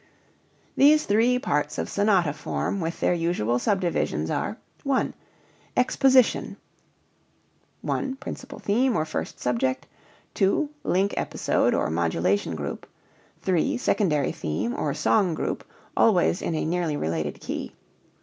These three parts of sonata form with their usual subdivisions are: I. EXPOSITION (1) Principal theme (or first subject). (2) Link episode (or modulation group). (3) Secondary theme (or song group), always in a nearly related key.